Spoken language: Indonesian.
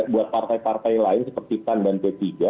buat partai partai lain seperti pan dan p tiga